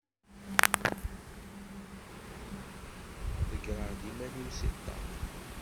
Ḍeggreɣ-d iman-iw si ṭṭaq.